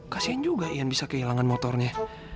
kasian juga ian bisa kehilangan motornya